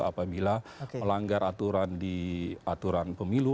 apabila melanggar aturan di aturan pemilu